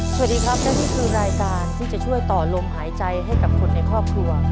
สวัสดีครับและนี่คือรายการที่จะช่วยต่อลมหายใจให้กับคนในครอบครัว